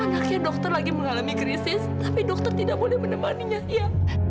anaknya dokter lagi mengalami krisis tapi dokter tidak boleh menemani dia